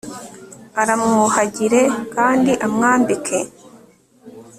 aramwuhagire kandi amwambike